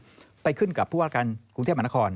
หนุ่มไม่กับพ่อพูดต่อที่กรุงเทพหมานกล